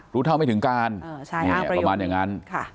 รู้เท่าไม่ถึงการประมาณอย่างนั้น